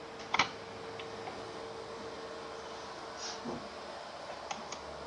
Gwen Stefani se encuentra cantando al frente de un coche rojo dañado.